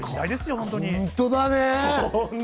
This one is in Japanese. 本当だね。